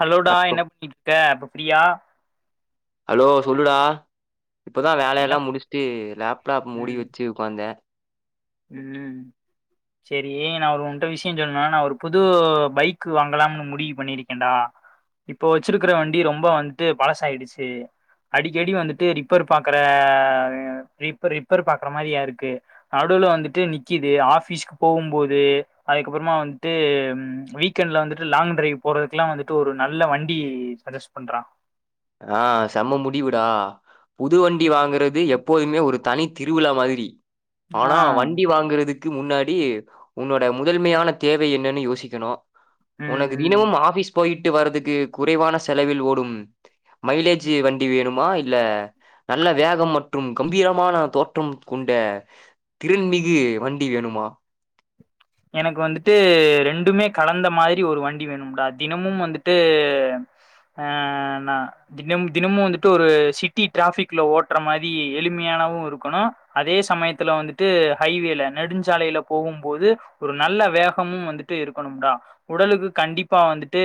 ஹலோடா hello என்ன பண்ணிட்ருக்க இப்ப ஃப்ரீயா ஹலோ சொல்லுடா இப்பதா என்ன வேலையெல்லா பண்ணி முடிஷ்ட்டு லேப்டாப் மூடி வச்சி உக்காந்தேன் உம் சரி நான் ஒரு உன்ட்ட விஷயம் சொல்ன்னு நான் ஒரு புது பைக் வாங்கலாம்னு முடிவு பண்ணிருக்கேன்டா இப்போ வச்சிருக்கற வண்டி ரொம்ப வந்துட்டு பழசாயிடுச்சு அடிக்கடி வந்துட்டு ரிப்பேர் பாக்குற ரிப்பேர் ரிப்பேர் பாக்குற மாரியா இருக்கு நா டுவுல வந்துட்டு நிக்குது ஆபீஸ்க்கு போம்போது அதுக்கப்புறமா வந்துட்டு வீக்கெண்ட்ல வந்துட்டு லாங் டிரைவ் போறதுக்குல்லா வந்துட்டு ஒரு நல்ல வண்டி சஜஸ்ட் பண்றா ஆஹ் செம்ம முடிவுடா புதுவண்டி வாங்கறது எப்போதுமே ஒரு தனி திருவிழா மாதிரி ஆ ஆனா வண்டி வாங்குறதுக் க்கு முன்னாடி உன்னோட முதன்மையான தேவை என்னன்னு யோசிக்கணும் ம் உனக்கு ம் தினமும் ஆபிஸ் போயிட் வரதுக்கு குறைவான செலவில் ஓடும் மைலேஜ் வண்டி வேணுமா இல்ல நல்ல வேகம் மற்றும் கம்பீரமான தோற்றம் கொண்ட திறன்மிகு வண்டி வேணுமா எனக்கு வந்துட்டு ரெண்டுமே கலந்த மாதிரி ஒரு வண்டி வேணும்டா தினமும் வந்துட்டு அ ந தினம் தினமும் வந்துட்டு ஒரு சிட்டி டிராபிக்ல ஓட்ற மாரி எளிமையானவும் இருக்கணும் அதே சமயத்துல வந்துட்டு ஹைவேல நெடுஞ்சாலையில போகும்போது ஒரு நல்ல வேகமும் வந்துட்டு இருக்கணும்டா உடலுக்கு கண்டிப்பா வந்துட்டு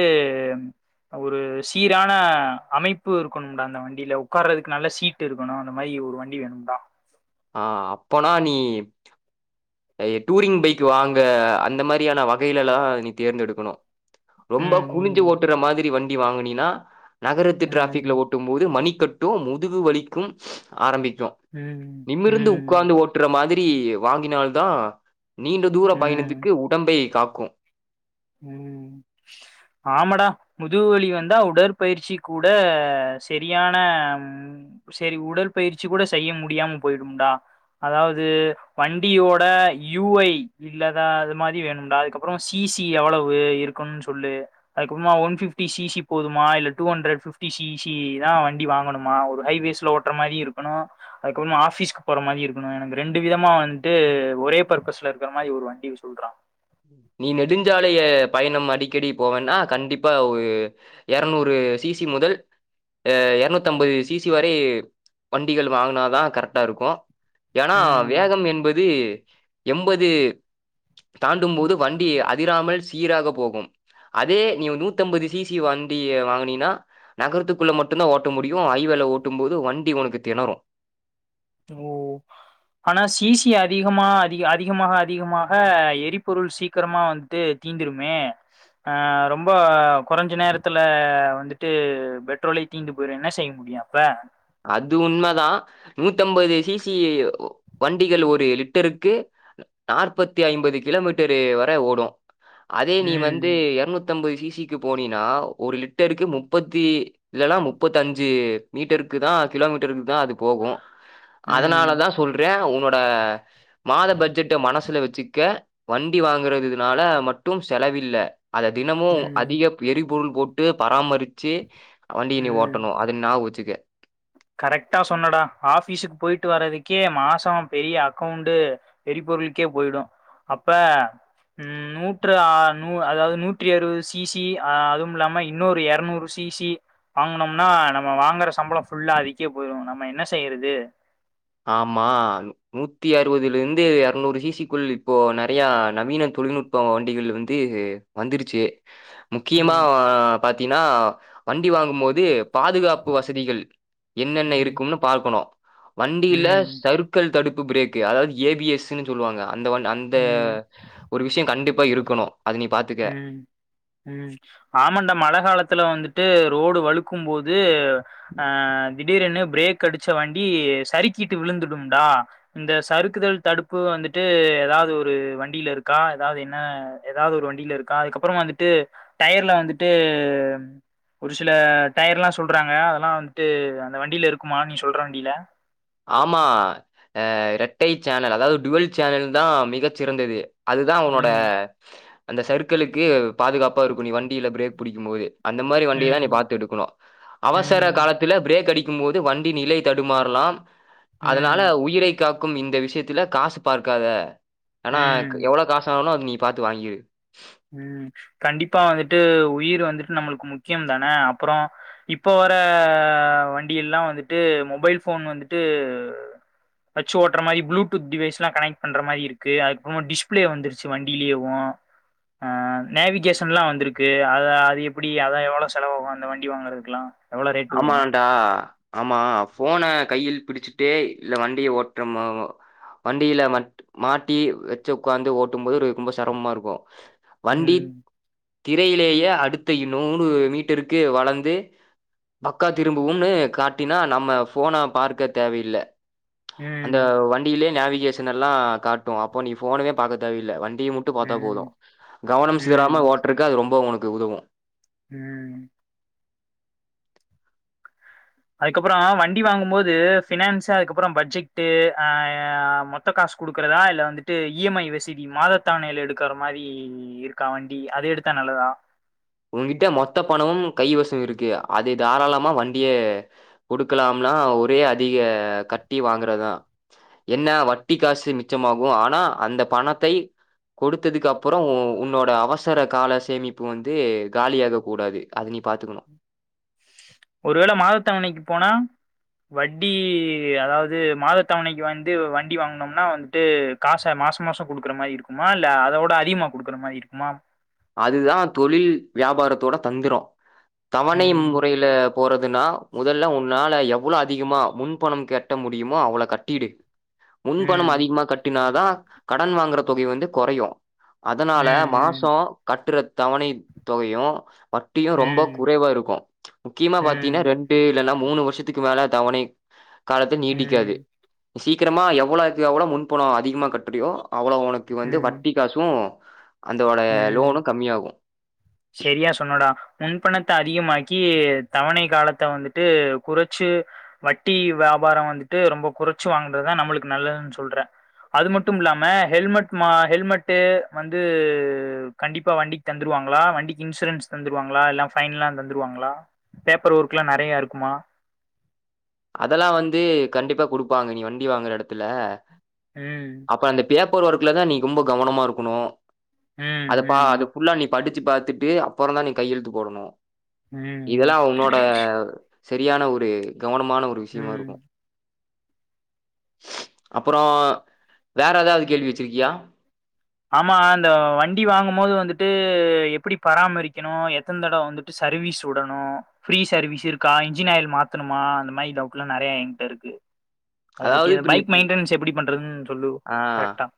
ஒரு சீரான அமைப்பு இருக்கணும்டா அந்த வண்டியில உட்கார்றதுக்கு நல்ல சீட்டு இருக்கணும் அந்த மாரி ஒரு வண்டி வேணும்டா ஆ அப்பனா நீ டூரிங் பைக் வாங்க அந்த மாரியான வகையிலலலா நீ தேர்ந்தெடுக்கணும் ரொம்ப ம் குனிஞ்சு ம் ஓட்டுற மாரி வண்டி வாங்கினினா நகரத்து டிராபிக்ல ம் ஒட்டும் போது மணிக் கட்டும் முதுகு வலிக்கும் ஆரம்பி ம் நிமிர்ந்து ம் உட்கார்ந்து ஓட்டுற மாதிரி டி வாங்கினால் தா நீண்ட தூர பயணத்துக்கு உடம்பை காக்கும் க்கும் உம் ஆமாடா முதுவலி வந்தா உடற்பயிற்சி கூட சரியான சேரி உடற்பயிற்சி கூட செய்ய முடியாம போயிடும்டா அதாவது வண்டியோட யூஐ இல்லதா அது மாதிரி வேணும்டா அதுக்கப்புறம் சிசி டி எவ்வளவு இருக்குனு சொல்லு அதுக்கப்புறமா ஒன் பிப்டி சி சி போதுமா இல்ல two hundred fifty C C தான் வண்டி வாங்கணுமா ஒரு ஹைவேஸ்ல ஓற மாதிரி இருக்கணும்அதுக்கப்புறமா ஆபீஸ்க்கு போற மாதிரி இருக்கணும் எனக்கு ரெண்டு விதமா வந்துட்டு ஒரே பர்ப்பஸ்ல இருக்கற மாதிரி ஒரு வண்டி சொல்றான் நீ நெடுஞ்சாலைய பயணம் அடிக்கடி போவென்னா கண்டிப்பா ஒரு எர்நூறு சிசி முதல் அ எர்நூத்தம்பது சிசி வரை வண்டிகள் வாங்குனாதா கரெக்டா இருக்கு ஏனா ம் வேகம் என்பது எம்பது தாண்டும் போது வண்டி அதிராமல் சீராக போகும் அதே நீ நூத்தம்பது சிசி வண்டிய வாங்கினினா நகரத்துக்குள்ள மட்டுந்தா ஓட்ட முடியு ஹைவேல ஓட்டும் போது வண்டி உனக்கு திணரு ஓ ஆனா சிசி அதிகமா அதிக அதிகமாக அதிகமாக எரிபொருள் சீக்கிரமா வந்துட்டு தீந்துருமே அ ரொம்ப கொறஞ்ச நேரத்துல வந்துட்டு பெட்ரோலை தீந்து போயிரு என்ன செய்ய முடியு அப்ப அது உண்மதா நூத்தம்பது சிசி வண்டிகள் ஒரு லிட்டருக்கு நாற்பத்தி ஐம்பது கிலோமீட்டரு வர ஓடு அதே நீ வந்து ம் எரணூத்தம்பது சீ சீக்கு போனினா ஒரு லிட்டருக்கு முப்பத்தி இல்லனா முப்பத்தஞ்சு மீட்டரு க்கு தா கிலோமீட்டருக்கு தா அது போகு அதனால ம் தா சொல்றே உன்ன ஆ மாத பட்ஜெட்ட மனசுல வ ச்சிக்க வண்டி வாங்குறதுதுனால மட்டும் செலவில்ல அத தினமு ம் அதிக பிரி புல் போட்டு பராமரிச்சி வண்டி நீ ம் ஓட்டணு அது நாவச்சுக்க கரெக்டா சொன்னடா ஆஃபீஸுக் போயிட்டு வர்றதுக்கே மாசொ பெரிய அக்கௌண்டு எரிபொருள்கே போயிடு அப்ப ம் நூற்று அ நூ அதாவது நூற்றி அறுவது சிசி அதுவும் இல்லாம இன்னொரு எரநூறு சிசி வாங்குனொம்னா நம்ம வாங்குற சம்பளம் ஃபுல்லா அதுக்கே போயிரு நம்ம என்ன செய்யறது ஆமா நூத்தி அறுவதுலெந்து எரநூறு சிசிக்குள் இப்போ நெறைய நவீன தொழில்நுட்ப வண்டிகள் வந்து வந்துருச்சு முக்கியமா ம் பாத்தீன்னா வண்டி வாங்கும்மோது பாதுகாப்பு வசதிகள் என்னென்ன ம் இருக்கும்னு பாக்கணு வண்டியில ம் சருக்கள் தடுப்பு பிரேக்கு அதாது ஏ பி எஸ் னு சொல்லுவாங்க அந்த ஒன் அந்த ம் ஒரு விஷ்யொ கண்டிப்பா இருக்கணு அது நீ பாத் ம் ம் ஆமான்டா மழ காலத்துல வந்துட்டு அ ரோடு வழுக்கும் போது அ திடீரென பிரேக் அடிச்ச வண்டி சறுக்கிட்டு விழுந்துடும்டா இந்த சறுக்குதல் தடுப்பு வந்துட்டு எதாது ஒரு வண்டிலருக்கா எதாவ்து என்ன எதாவ்து ஒரு வண் டிலருக்கா அதுக்கப்புறொ வந்துட்டு டயர்ல வந்துட்டு ஒரு சில டயர்லா சொல்றாங்க அதெல்லா வன்ட்டு அந்த வண்டில இருக்குமா நீ சொல்ற வண்டில ஆமா அ ரெட்டை சேனல் அதாவ்து டுவல் சேனல் தா மிகச்சிறந்தது அதுதா உன்னோட ம் அந்த சர்க்களுக்கு பாதுகாப்பா இருக்கு நீ வண்டில பிரேக் பிடிக்கும் போது அந்த மாரி வண்டிய தா நீ ம் பாத்து எடுக்கணு அவசர ம் காலத்துல பிரேக் அடி க்கும்போது வண்டி நிலை தடுமாறலா அதனால ம் உயிரை காக்கும் இந்த விஷ்யத்துல காசு பார்க்காத ஆனாக் ம் எவ்ளொ காசானாலு அது நீ பாத்து வாங்கிரு ம் கண்டிப்பா வந்துட்டு உயிர் வந்துட்டு நம்மளுக்கு முக்கியம் தானே அப்புறொ இப்ப வர வண்டியெல்லா வந்துட்டு மொபைல் ஃபோன் வந்துட்டு வச்சு ஓட்ற மாரி ப்ளூடூத் டிவைஸ்லா கனெக்ட் பண்ற மாரி இருக்கு அதுக்கப்றமா டிஸ்பிளே வந்துருச்சு வண்டியிலேவு அ நேவிகேஷன்லா வந்துருக்கு அத அது எப்புடி அதா எவ்ளொ செலவாவு அந்த வண்டி வாங்குறதுக்குல்லா ஆமான்டா ஆமா ஃபோன கையில் பிடிச்சுட்டே இல்ல வண்டிய ஓட்ற‌மா வண்டியில மட் மாட்டி வச்சு உக்காந்து ஓட்டும் போதுரு ரொம்ப செரமமா இருக்கு ம் திரையிலேயே அடுத்தை நூறு மீட்டருக்கு வலந்து பக்கா திரும்புவும்னு காட்டினா நம்ம ஃபோன பார்க்க தேவையில்ல அந்த ம் வண்டியிலே நாவி கேஷனெல்லா காட்டு அப்போ நீ ஃபோனேவெ பாக்க தேவயில்ல வண் டியமுட்டு பாத்தா போது ம் கவனம் சிதறாம ம் ஓட்றக்கு அது ரொம்ப ஒனக் கு உதவு ம் அதுக்கப்பறொ வண்டி வாங்கும்போது ஃபினான்ஸு அதுக்கப்புறொ பட்ஜெக்டு அ மொத்த காசு குடுக்குறதா இல்ல வந்துட்டு இ எம் ஐ வசதி மாதத்தவணைல எடுக்குற மாரி இருக்கா வண்டி அது எடுத்தா நல்லதா உங்கிட்ட மொத்த பணமும் கைவச இருக்கு அது தாராளமா வண்டிய கொடுக்கலாம்னா ஒரே அதிக கட்டி வாங்குறதா என்ன வட்டி காசு மிச்சமாகு ஆனா அந்த பணத்தை கொடுத்ததுக்கப்புறோ உன்னோட அவசர கால சேமிப்பு வந் து காலியாக கூடாது அத நீ பாத்துக்கணு ஒருவேள மாதத்தவணைக்கு போனா வட்டி அதாவ்து மாதத்தவணைக்கு வந்து வண்டி வாங்குனொம்னா வந்துட்டு காச மாச மாச குடுக்குற மாரி இருக்குமா இல்ல அதோட அதிகமா குடுக்குற மாரி இருக்குமா அதுதா தொழில் வியாபாரத்தோட தந்திரொ தவணை ம் முறைல போறதுனா முதல்ல உன்னால எ வ்ளோ அதிகமா முன்பணம் கட்ட முடியுமோ அவ்ள கட்டிடு முன்பணம் ம் அதிகமா கட்டினாதா கடன் வாங்குற தொகை வந்து கொறையு அதனால ம் மாசொ கட்ற தவணை தொகையு வட்டியு ம் ரொம்ப ம் குறைவா இருக்கு முக்கியமா பாத்தீனா ம் ரெண்டு இல்லனா மூணு வருஷத்துக்கு மேல தவணை காலத்து நீட்டிக்காது ம் சீக்கிரமா எவ்வளொக்கு எவ்ளொ முன்பணொ அதிகமா கட்ரியோ அவ்வளோ ஒனக்கு வந்து ம் வட்டி காசு அந்தோட லோனு செரியா சொன்னடா முன்பணத்த அ திகமாக்கி தவணை காலத்த வந்துட்டு குறச்சு வட்டி வியாபாரொ வந்துட்டு ரொம்ப குறச்சு வாங்குறதுதா நம்மளுக்கு நல்லதுன் சொல்ற அது மட்டும் இல்லாம ஹெல்மெட் மா ஹெல்மெட்டு வந்து து கண்டிப்பா வண்டிக் தந்துருவாங்ளா வண்டிக்கு இன்சுரன்ஸ் தந்துருவாங்ளா இல்ல ஃபைன்லா தந்துருவாங்ளா பேப்பர் ஒர்க்லா நெறைய இருக்குமா அதெல்லா வந்து கண்டிப்பா குடுப்பாங்க நீ வண்டி வாங்குற எடத்துல ம் அப்ப அந்த பேப் பர் ஒர்க்ல தா நீ ரொம்ப கவனமா இருக்கணு அது பா அது ம் புல்லாலிப் படிச்சு பாத்துட்டு அப்பறந்தா நீ கையெழுத்து போடணு ம் ம் இதெல்லா உன்னோட செரியான ஒரு கவனோ மான ஒரு விஷ்யமா ம் இருக்கு அப்பறோ வேற ஏதாவது கேள்வி வெச்சிருக்கியா ஆமா அந்த வண்டி வாங்கும் போது வந்துட்டு எப்படி பராமரிக்கணு எத்தன் தடவ வந்துட்டு சர்வீஸ் உடணு ஃப்ரீ சர்வீஸ் இருக்கா இன்ஜின் ஆயில் மாத்தணுமா அந்த மாரி டவுட் எல்லா நறைய எங்கிட்ட இருக்கு அத அதாவது பத்தியா இப்ப நீ பைக் பு மெயின்டனன்ஸ் எப்படி பண்றதுந் ஆ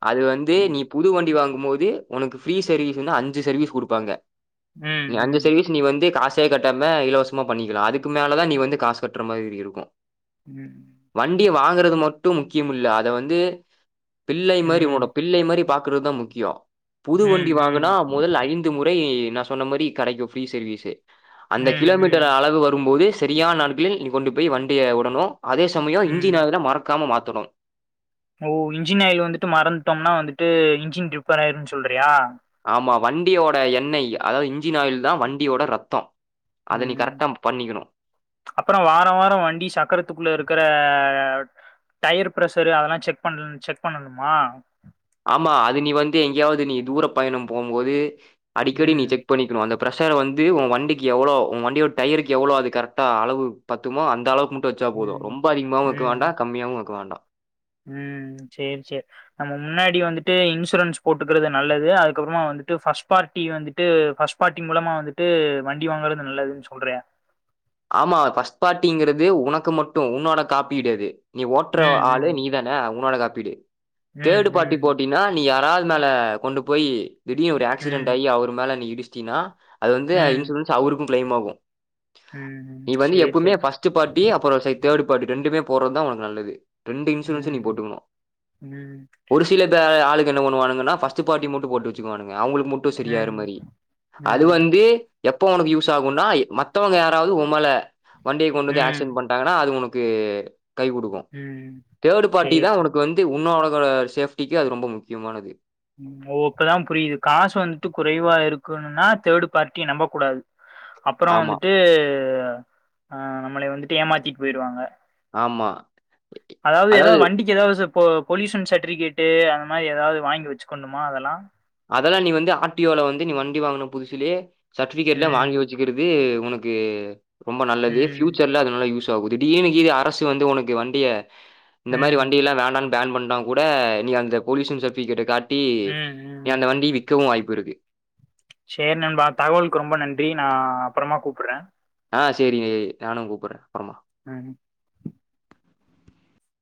அது வந்து நீ புது வண்டி வாங்கும் போது உனக்கு ஃப்ரீ சர்வீஸ்ன்னா அஞ்சு சர்வீஸ் குடுப்பாங்க ம் நீ அஞ்சு ம் சர்வீஸ் நீ வந்து காஸ் சே கட்டாம இலவசமா பண்ணிக்கலா அதுக்கு மேலதா நீ வந்து காசு கட்டுற மாரி இருக்கு ம் வண்டிய வாங் ங்குறது மட்டு முக்கியம் இல்ல அத வந்து பிள்ளை மாரி உன்னோட ம் பிள்ளை மாரி பா க்குறதா முக்கியோ ம் புது வண்டி ம் வாங்குனா மொதல்ல ஐந்து முறை நா சொன்ன மாரி கடைக்கு ஃப்ரீ சர்வீஸு அந்த ம் ம் கிலோமீட்டர் அளவு வரும்போது செரியான் நாளூபீல் நீ கொண்டு போய் வண்டிய உடணு அதே சமயோ ம் இன்ஜின் அதுல மறக்காம மாத் தொடு ஓ இன்ஜின் ஆயில் வந்துட்டு மறந்துட்டோம்னா வந்துட்டு இன்ஜின் ரிப்பர் ஆயிருன்னு சொல்றயா அம்மா வண்டியோட எண்ணெய் அதாவது இன்ஜின் ஆயில்தா வண்டியோட ரத்தோ ம்ம்ம் அப்பறோ வார வாரோ வண்டி சக்கரத்துக்குள்ள இருக்குற டயர் பிரஷரு அதல்லா செக் பண்லன் செக் பண்ணனுமா ஆமா அது நீ வந்து எங்கேயாவது நீ தூரப் பயணம் போம்போது அடிக்கடி நீ ம் செக் பண்ணிக்னு அந்த பிரஷர வந்து உ வண்டிக்கு எவ்வளோ உ வண்டியோட டயருக்கு எவ்வளோ அது கரெக்டா அளவு பத்துமா அந்த அளவுக்கு வெச்சா போது ம் ரொம்ப அதிகமாவு வெக்க ம் வேண்டா கம்மியாவு வெக்க வேண்டா ம் சேர் சேர் நம்ம முன்னாடி வந்துட்டு இன்சூரன்ஸ் போட்டுக்குறது நல்லது அதுக்கப்புறமா வந்துட்டு ஃபஸ்ட் பார்ட்டி வந்துட்டு ஃபஸ்ட் பார்ட்டி மூலமா வந்துட்டு வண்டி வாங்கறது நல்லதுன்னு சொல்றயா ஆமா ஃபஸ்ட் பார்ட்டிங்கிறது உனக்கு மட்டு உன்னோட காப்பீடது நீ ஓட்டுற ம் ஆளு ம் நீ தான உன்னோடதா ப்பிடு ம் தேர்டு பாரி ம் போட்டினா நீ யாராவது மேல கொண்டு போய் திடீர் ஒரு ஆக்சிடெண்ட் ம் ஆகி அவர் மேலே நீ இடி ச்சினா அது வந்து ம் இன்சூரன்ஸ் அவருக்கும் ப்ளளைம் ஆகும் ம் நீ வந்து சேரி எப்பவுமே சேரி பர்ஸ்ட் பார்டி அப்புறம் சை தேர்டு பார்டி ரெண்டுமே போடுறதான் உக்கு நல்லது ரெண்டு இன்சூரன்ஸ் நீ ம் போட்டுக்கணும் ம் ஒரு சில தா ஆளுக் என்ன ஒண்ணுவுங்கா பர்ஸ்ட் பார்டி மட்டு போட்டுச்சு வாானங்க அவங்களுக்கு மட்டும் சரியாற ம் மாரி அது ம் வந்து எப் போனுக்கு யூசாவும் உன்னா மத்தவங்க யாராவது ஒ மழ வண்டியை கொண்டு வந்து ஆக்சிடென்ட் ம் பண்ணிடாங்கன்னா அது உனக்கு கை கொடுக்கும் ம் தேர்டு பார்ட்டி சேரி தான் சேரி உனக்கு வந்து உன்னாட [unintelligible] சேஃப்டிக்கு அது ரொம்ப முக்கியமானது ம் ஓ இப்பதான் புரியுது காசு வந்துட்டு குறைவா இருக்குனுன்னா தேர்டு பார்ட்டிய நம்ப கூடாது அப்புறம் ஆமா, வந்துட்டு அ ஆ நம்மளை வந்துட்டு ஏமாத்திட்டு போயிருவாங்க ஆமா அதாவது ஏதாவது வண்டிக்கு ஏதாவது சப்போ பொல்யூஷன் சர்டிபிகேட்டு அந்த மாரி எதாவது வாங்கி வச்சுக்கணுமா அதெல்லா அதல்லாம் நீ வந்து ஆட்டியோல வந்து நீ வண்டி வாங்கன புதுசுலயே சர்டிபிகேட்லாம் ம் வாங்கி வச்சுக்கிறது உனக்கு ரொம்ப நல்லது ம் பியூச்சர்ல அதுனல யூஸ் சாகு திடீர்னு கீது அரசு வந்து உனக்கு வண்டிய இந்த மாரி ம் வண்டிலாம் வேண்டான் பேன் பண்ணா கூட நீ அந்த பொலுயூஷன் சர்டிபிகேட்ட காட் டி ம் ம் ஏ அந்த வண்டி வி விக்கவு வாய்ப்பு இருக்கு சேரி நண்பா தகவலுக்கு ரொம்ப நன்றி நா அப்றமா கூப்பிடுறே ஆ செரிங்கெ நானு கூப்புர்றே ஆ